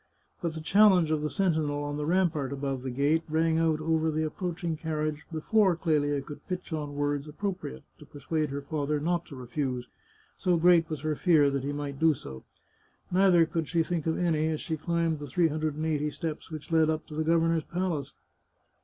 But the challenge of the sen tinel on the rampart above the gate rang out over the ap proaching carriage before Clelia could pitch on words ap propriate to persuade her father not to refuse, so great was her fear that he might do so. Neither could she think of any as she climbed the three hundred and eighty steps which led up to the governor's palace.